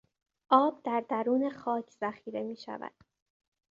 آب در درون خاک ذخیره میشود.